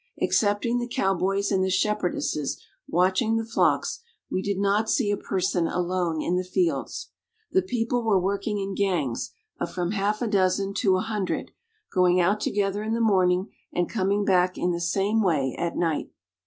Excepting the cow boys and the shepherdesses watching the flocks, we did not see a person alone in the fields. The people were working in gangs of from half a dozen to a hundred, going out together in the morning, and coming back in the same way at night.